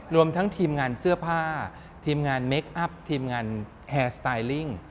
รวมทั้งทีมงานเสื้อผ้าทีมงานเมคอัพทีมงานแอร์สไตลลิ่ง